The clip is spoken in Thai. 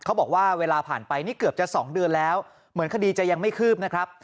เขาบอกว่าเวลาผ่านไปนี่เกือบจะ๒เดือนแล้วเหมือนคดีจะยังไม่คืบนะครับ